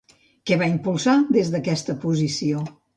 Què va impulsar des d'aquesta posició?